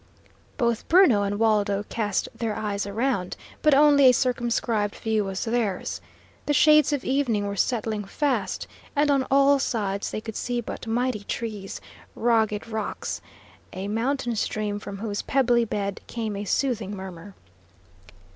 Both Bruno and Waldo cast their eyes around, but only a circumscribed view was theirs. The shades of evening were settling fast, and on all sides they could see but mighty trees, rugged rocks, a mountain stream from whose pebbly bed came a soothing murmur.